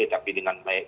tapi dengan baik